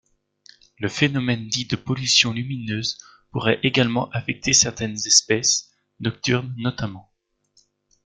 Le phénomène dit de pollution lumineuse pourrait également affecter certaines espèces, nocturnes notamment.